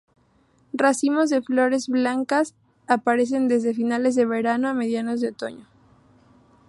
Racimos de flores blancas aparecen desde finales de verano a mediados de otoño.